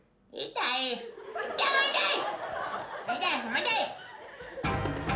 痛い！